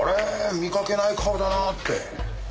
見かけない顔だなぁって。